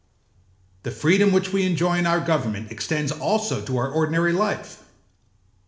The freedom which we enjoy in our government extends also to our ordinary life.